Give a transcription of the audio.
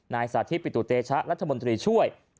สาธิตปิตุเตชะรัฐมนตรีช่วย